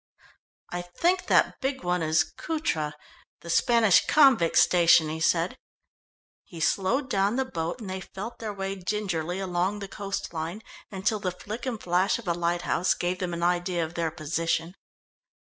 "I think that big one is Cutra, the Spanish convict station," he said. He slowed down the boat, and they felt their way gingerly along the coast line, until the flick and flash of a lighthouse gave them an idea of their position.